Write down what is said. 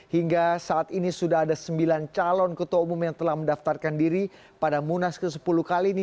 hingga saat ini sudah ada sembilan calon ketua umum yang telah mendaftarkan diri pada munas ke sepuluh kali ini